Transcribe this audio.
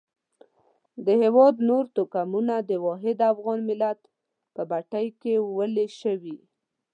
د هېواد نور توکمونه د واحد افغان ملت په بټۍ کې ویلي شوي.